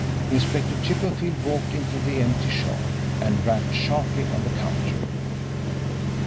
Inspector Chippenfield walked into the empty shop, and rapped sharply on the counter.